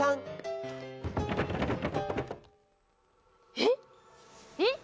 えっ？えっ？